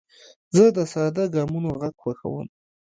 زه د ساده ګامونو غږ خوښوم.